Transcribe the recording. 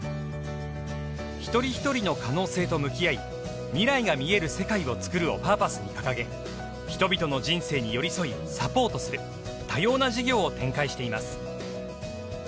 「一人ひとりの可能性と向き合い未来がみえる世界をつくる。」をパーパスに掲げ人々の人生に寄り添いサポートする多様な事業を展開しています。